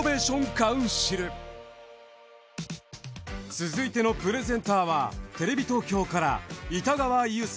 続いてのプレゼンターはテレビ東京から板川侑右